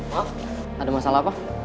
maaf ada masalah apa